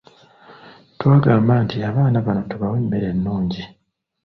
Twagamba nti abaana bano tubawe emmere ennungi.